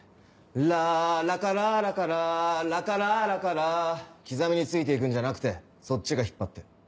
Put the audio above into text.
ララカララカララカララカラ刻みについていくんじゃなくてそっちが引っ張って。